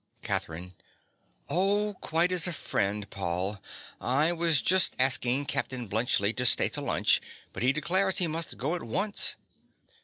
CATHERINE. Oh, quite as a friend, Paul. I was just asking Captain Bluntschli to stay to lunch; but he declares he must go at once.